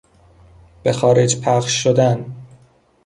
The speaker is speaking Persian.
به خارج پخش شدن